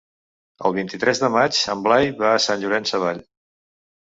El vint-i-tres de maig en Blai va a Sant Llorenç Savall.